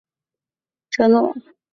舍诺夫人口变化图示